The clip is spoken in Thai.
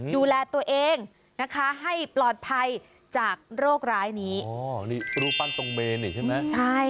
ดูแลตัวเองนะคะให้ปลอดภัยจากโรคร้ายนี้อ๋อนี่รูปปั้นตรงเมนนี่ใช่ไหมใช่